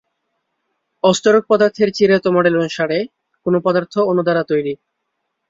অস্তরক পদার্থের চিরায়ত মডেল অনুসারে, কোন পদার্থ অণু দ্বারা তৈরি।